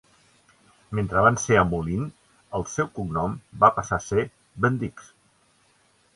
Mentre van ser a Moline, el seu cognom va passar a ser "Bendix".